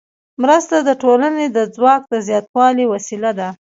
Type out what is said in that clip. مرسته د ټولنې د ځواک د زیاتوالي وسیله ده.